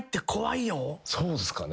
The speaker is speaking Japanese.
そうっすかね？